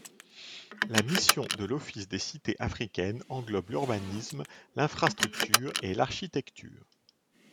La mission de l’Office des Cités Africaines englobe l’urbanisme, l’infrastructure et l’architecture.